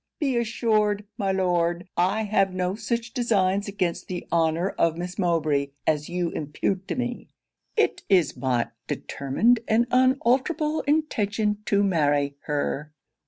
Be assured, my Lord, I have no such designs against the honour of Miss Mowbray as you impute to me. It is my determined and unalterable intention to marry her.